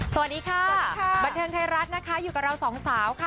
สวัสดีค่ะบันเทิงไทยรัฐนะคะอยู่กับเราสองสาวค่ะ